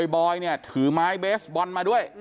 บอยเนี่ยถือไม้เบสบอลมาด้วย